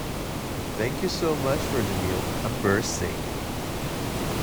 Thank you so much for the meal, I'm bursting!.